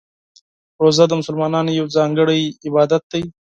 روژه د مسلمانانو یو ځانګړی عبادت دی.